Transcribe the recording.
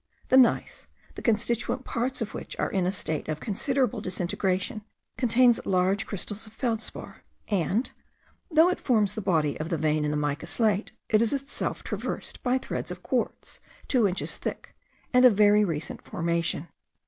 The gneiss, the constituent parts of which are in a state of considerable disintegration, contains large crystals of feldspar; and, though it forms the body of the vein in the mica slate, it is itself traversed by threads of quartz two inches thick, and of very recent formation.